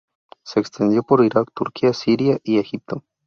Se extendió por Irak, Turquía, Siria y Egipto.